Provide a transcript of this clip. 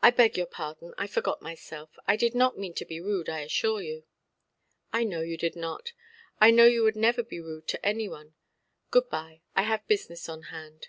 "I beg your pardon, I forgot myself; I did not mean to be rude, I assure you". "I know you did not. I know you would never be rude to any one. Good–bye, I have business on hand".